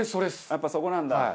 やっぱそこなんだ。